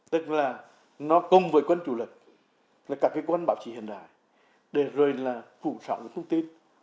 tức là nó cùng với quân chủ lực các quân bảo trì hiện đại để rồi phụ trọng thông tin